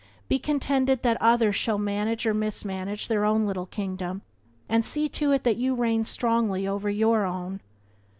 Be contended that others shall manage or mismanage their own little kingdom, and see to it that you reign strongly over your own.